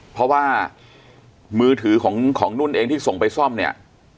เพราะว่ามือถือของนุ่นเองที่ส่งไปซ่อมเนี่ย